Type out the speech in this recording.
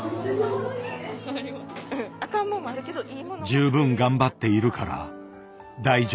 十分頑張っているから大丈夫。